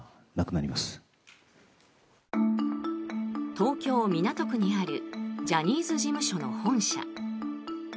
東京・港区にあるジャニーズ事務所の本社。